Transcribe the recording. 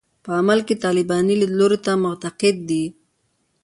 په عمل کې طالباني لیدلوري ته معتقد دي.